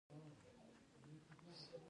د بولان پټي د افغان کلتور په داستانونو کې راځي.